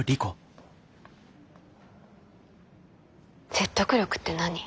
説得力って何？